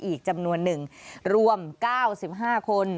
อีกจำนวน๑รวม๙๕คน